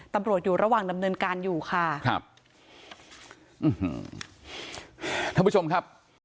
ตำรวจอยู่ระหว่างดำเนินการอยู่ค่ะครับอืมท่านผู้ชมครับ